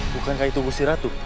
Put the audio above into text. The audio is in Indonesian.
bukankah itu gusti ratu